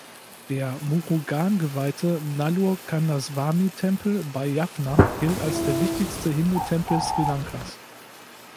Der Murugan geweihte Nallur-Kandaswamy-Tempel bei Jaffna gilt als der wichtigste Hindutempel Sri Lankas.